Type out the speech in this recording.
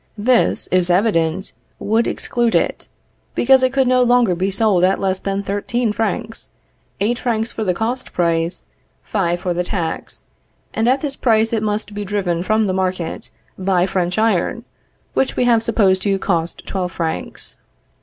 This, it is evident, would exclude it, because it could no longer be sold at less than thirteen francs; eight francs for the cost price, five for the tax; and at this price it must be driven from the market by French iron, which we have supposed to cost twelve francs.